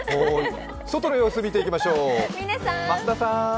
外の様子、見ていきましょう。